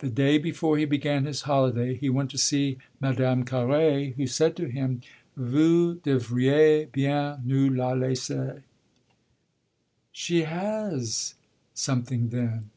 The day before he began his holiday he went to see Madame Carré, who said to him, "Vous devriez bien nous la laisser." "She has something then